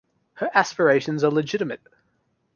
Her aspirations are legitimate.